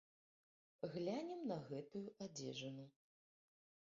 Глянем на гэтую адзежыну.